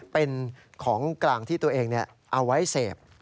เป็นของกลางที่ตัวเองเอาไว้เสพ